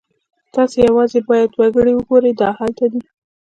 تاسو یوازې باید وګورئ دا هلته دی